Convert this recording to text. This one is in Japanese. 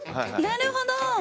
なるほど。